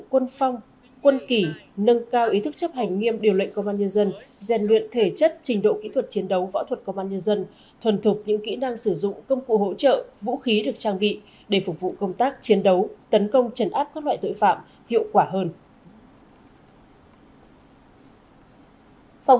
quân phong quân kỷ nâng cao ý thức chấp hành nghiêm điều lệnh công an nhân dân gian luyện thể chất trình độ kỹ thuật chiến đấu võ thuật công an nhân dân thuần thục những kỹ năng sử dụng công cụ hỗ trợ vũ khí được trang bị để phục vụ công tác chiến đấu tấn công trấn áp các loại tội phạm hiệu quả hơn